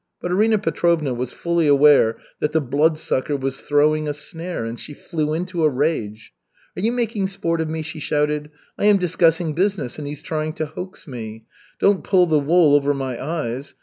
But Arina Petrovna was fully aware that the Bloodsucker was throwing a snare, and she flew into a rage. "Are you making sport of me?" she shouted. "I am discussing business, and he's trying to hoax me. Don't pull the wool over my eyes.